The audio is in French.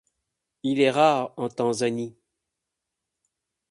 Il est rare en Tanzanie.